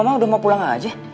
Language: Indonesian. kok mama udah mau pulang gak aja